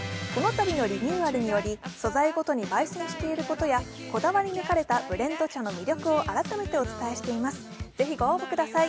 このたびのリニューアルにより素材ごとにばい煎していることやこだわり抜かれたブレンド茶の魅力を改めてお伝えしています。